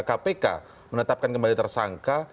kpk menetapkan kembali tersangka